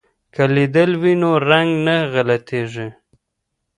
که لیدل وي نو رنګ نه غلطیږي.